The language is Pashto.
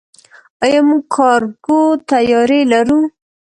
آیا موږ کارګو طیارې لرو؟